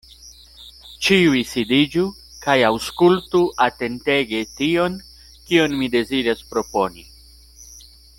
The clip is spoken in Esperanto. Ĉiuj sidiĝu kaj aŭskultu atentege tion, kion mi deziras proponi.